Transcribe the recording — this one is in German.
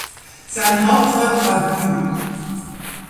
Sein Hauptort war Gy.